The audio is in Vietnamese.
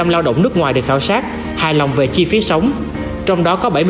tám mươi lao động nước ngoài được khảo sát hài lòng về chi phí sống